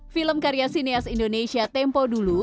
film karya sinias indonesia tempo dulu